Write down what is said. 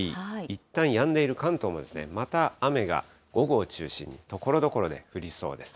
いったんやんでいる関東も、また雨が午後を中心にところどころで降りそうです。